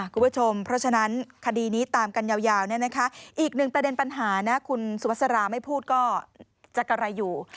คุณผู้ชมเพราะฉะนั้นคดีนี้ตามกันยาวอีกหนึ่งประเด็นปัญหานะคุณสุภาษาราไม่พูดก็จะกระไรอยู่